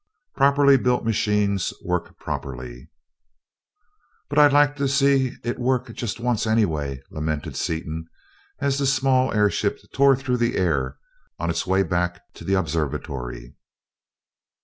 Properly built machines work properly." "But I'd have liked to see it work just once, anyway," lamented Seaton as the small airship tore through the air on its way back to the observatory.